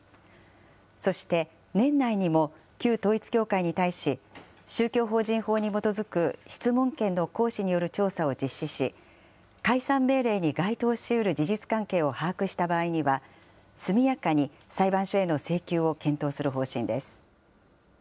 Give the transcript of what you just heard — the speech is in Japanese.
そして年内にも旧統一教会に対し、宗教法人法に基づく質問権の行使による調査を実施し、解散命令に該当しうる事実関係を把握した場合には、速やかに裁判所への請求を検討する方針です。